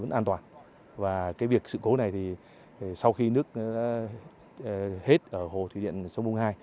an toàn và cái việc sự cố này thì sau khi nước hết ở hồ thủy điện sông bung hai